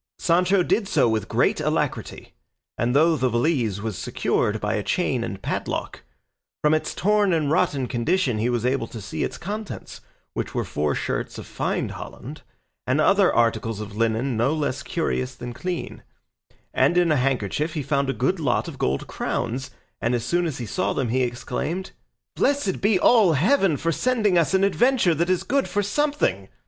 Sancho did so with great alacrity, and though the valise was secured by a chain and padlock, from its torn and rotten condition he was able to see its contents, which were four shirts of fine holland, and other articles of linen no less curious than clean; and in a handkerchief he found a good lot of gold crowns, and as soon as he saw them he exclaimed: "Blessed be all Heaven for sending us an adventure that is good for something!"